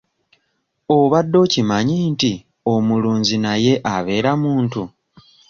Obadde okimanyi nti omulunzi naye abeera muntu?